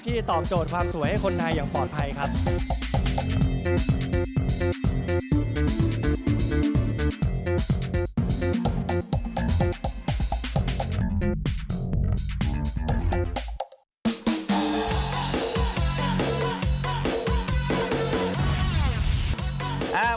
ตอบโจทย์ความสวยให้คนไทยอย่างปลอดภัยครับ